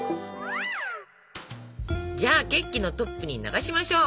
じゃあケーキのトップに流しましょう！